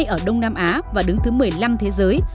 ở đông nam á và đứng thứ một mươi năm thế giới